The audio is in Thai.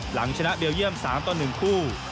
หลังชนะเบลเยี่ยม๓ต่อ๑คู่